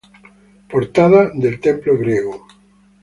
Portada del templo griego.